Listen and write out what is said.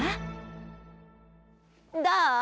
どう？